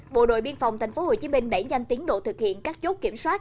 bộ đội biên phòng tp hcm đẩy nhanh tiến độ thực hiện các chốt kiểm soát